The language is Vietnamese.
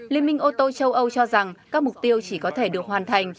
liên minh ô tô châu âu cho rằng các mục tiêu chỉ có thể được hoàn thành